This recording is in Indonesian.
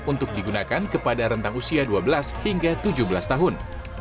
untuk digunakan kepada rentang usia dua belas hingga tujuh belas tahun